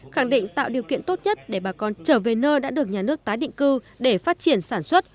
khẳng định tạo điều kiện tốt nhất để bà con trở về nơi đã được nhà nước tái định cư để phát triển sản xuất